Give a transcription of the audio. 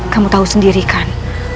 kamu tahu sendiri kan